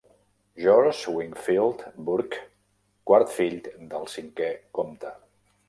George Wingfield Bourke, quart fill del cinquè comte.